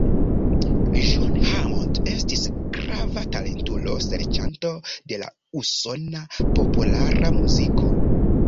John Hammond estis grava talentulo-serĉanto de la usona populara muziko.